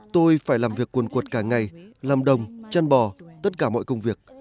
tôi phải làm việc cuồn cuột cả ngày làm đồng chăn bò tất cả mọi công việc